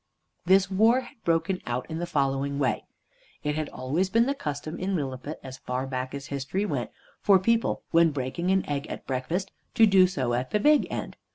This war had broken out in the following way. It had always been the custom in Lilliput, as far back as history went, for people when breaking an egg at breakfast to do so at the big end.